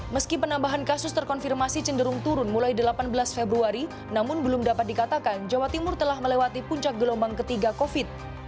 meski penambahan kasus terkonfirmasi cenderung turun mulai delapan belas februari namun belum dapat dikatakan jawa timur telah melewati puncak gelombang ketiga covid